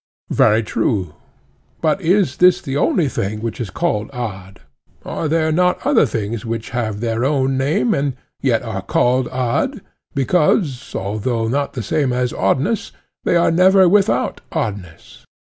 Very true. But is this the only thing which is called odd? Are there not other things which have their own name, and yet are called odd, because, although not the same as oddness, they are never without oddness?